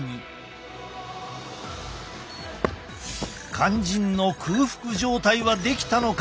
肝心の空腹状態はできたのか？